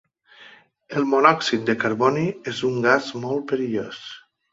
El monòxid de carboni és un gas molt perillós.